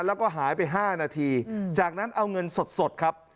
แล้วก็หายไป๕นาทีจากนั้นเอาเงินสดครับ